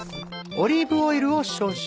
オリーブオイルを少々。